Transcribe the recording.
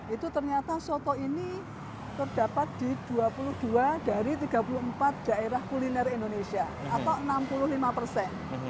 itu ternyata soto ini terdapat di dua puluh dua dari tiga puluh empat daerah kuliner indonesia atau enam puluh lima persen